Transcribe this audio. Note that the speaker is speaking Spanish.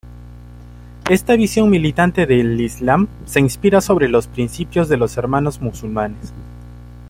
Esta visión militante del islam se inspira sobre los principios de los Hermanos Musulmanes.